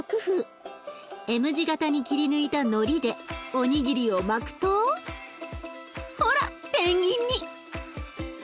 Ｍ字形に切り抜いたのりでおにぎりを巻くとほらペンギンに！